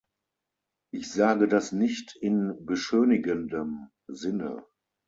Ich sage das nicht in beschönigendem Sinne.